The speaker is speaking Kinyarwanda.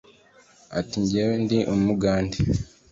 ati "Njyewe ndi Umugande